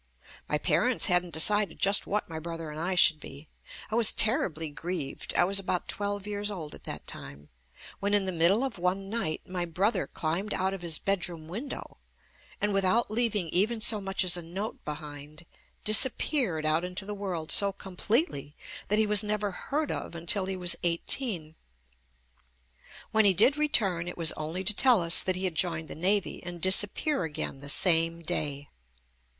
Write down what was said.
My parents hadn't decided just what my brother and I should be. I was terribly grieved (I was about twelve years old at that time) when in the middle of one night my brother climbed out of his bedroom window and, without leaving even so much as a note behind, disappeared out into the world so com pletely that he was never heard of until he was eighteen; when he did return it was only to tell us that he had joined the Navy and dis appear again the same day.